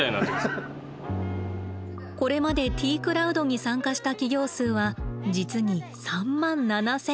これまでＴクラウドに参加した企業数は実に３万７，０００。